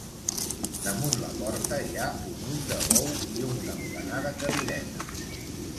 Damunt la porta hi ha un ull de bou i un campanar de cadireta.